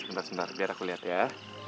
sebentar sebentar biar aku lihat ya